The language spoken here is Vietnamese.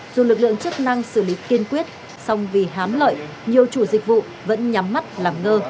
dù lực lượng chức năng xử lý kiên quyết song vì hám lợi nhiều chủ dịch vụ vẫn nhắm mắt làm ngơ